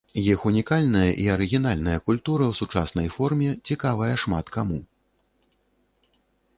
Іх унікальная і арыгінальная культура ў сучаснай форме цікавая шмат каму.